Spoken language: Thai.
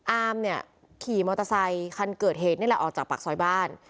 อามเนี่ยขี่มอเตอร์ไซคันเกิดเหตุนี่แหละออกจากปากซอยบ้าน